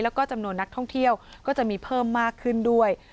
แล้วก็จำนวนนักท่องเที่ยวก็จะมีเพิ่มมากขึ้นด้วย